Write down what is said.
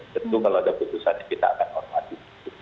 tentu kalau ada putusannya kita akan hormati